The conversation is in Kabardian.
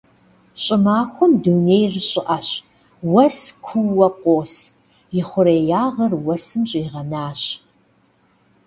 ЩӀымахуэм дунейр щӀыӀэщ, уэс куу къос, ихъуреягъыр уэсым щӀигъэнащ.